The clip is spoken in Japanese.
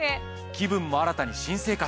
気分も新たに新生活。